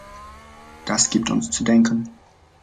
Das gibt uns zu denken!